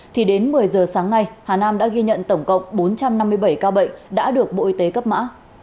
thì đến một mươi giờ sáng nay hà nam đã ghi nhận tổng cộng bốn trăm năm mươi bảy ca bệnh đã được bộ y tế cấp mã